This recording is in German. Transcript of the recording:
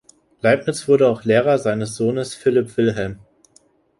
Leibniz wurde auch Lehrer seines Sohnes Philipp Wilhelm.